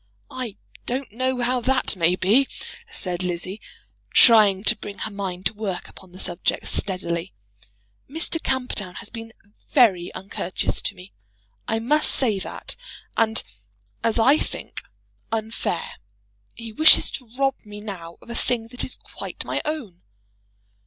"I don't know how that may be," said Lizzie, trying to bring her mind to work upon the subject steadily. "Mr. Camperdown has been very uncourteous to me; I must say that; and, as I think, unfair. He wishes to rob me now of a thing that is quite my own."